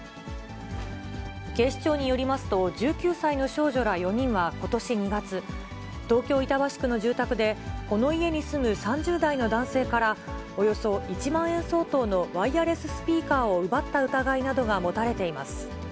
警視庁によりますと、１９歳の少女ら４人はことし２月、東京・板橋区の住宅で、この家に住む３０代の男性から、およそ１万円相当のワイヤレススピーカーを奪った疑いなどが持たれています。